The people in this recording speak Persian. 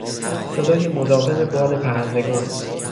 صدای مداوم بال پرندگان